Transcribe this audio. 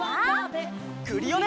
クリオネ！